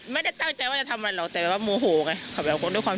ไม่ได้ตั้งใจว่าจะทำอะไรหรอกแต่ว่าโมโหไงเขาแบบด้วยความ